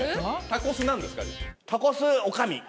タコス何ですか？